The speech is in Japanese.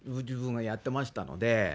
自分がやっていましたので。